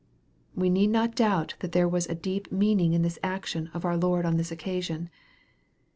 We need not doubt that there was a deep meaning in this action of our Lord on this occasion.